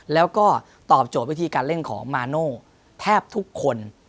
แล้วก็ตอบโจทย์วิธีการเล่นของมาโน่แทบทุกคน